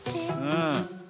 うん。